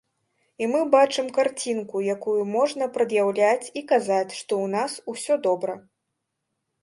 І мы бачым карцінку, якую можна прад'яўляць і казаць, што ў нас усё добра.